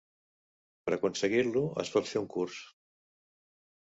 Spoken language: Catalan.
Per aconseguir-lo es pot fer un curs.